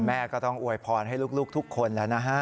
แม่ก็ต้องอวยพรให้ลูกทุกคนแล้วนะฮะ